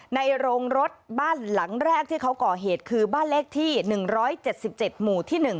โรงรถบ้านหลังแรกที่เขาก่อเหตุคือบ้านเลขที่๑๗๗หมู่ที่๑